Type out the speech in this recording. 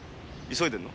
急いでるの？